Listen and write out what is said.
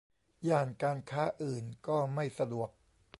ย่านการค้าอื่นก็ไม่สะดวก